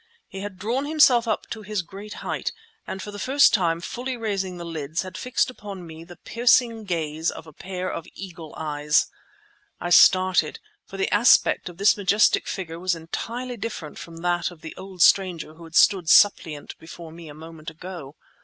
He had drawn himself up to his great height, and for the first time fully raising the lids, had fixed upon me the piercing gaze of a pair of eagle eyes. I started, for the aspect of this majestic figure was entirely different from that of the old stranger who had stood suppliant before me a moment ago.